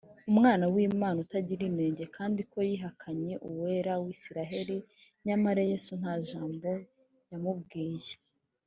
umwana w’imana utagira inenge, kandi ko yihakanye uwera w’isiraheri nyamara yesu nta jambo yamubwiye